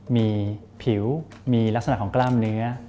มีผิวมีลักษณะของกล้ามเนื้อ